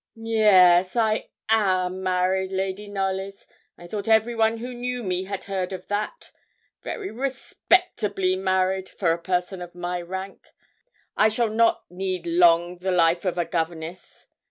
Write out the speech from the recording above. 'Yes I am married, Lady Knollys; I thought everyone who knew me had heard of that. Very respectably married, for a person of my rank. I shall not need long the life of a governess.